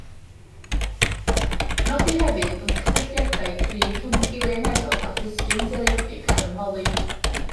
Nodir hefyd bod cysylltiadau cryf rhwng sgiliau meddwl a dysgu'n seiliedig ar ymholi